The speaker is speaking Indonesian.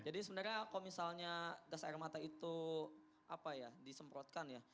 jadi sebenarnya kalau misalnya gas air mata itu apa ya disemprotkan ya